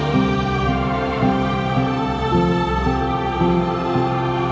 mama aku gak kuat